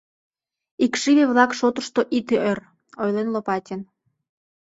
— Икшыве-влак шотышто ит ӧр, — ойлен Лопатин.